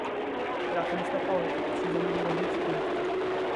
O tráfego está caótico, precisamos de um guarda de trânsito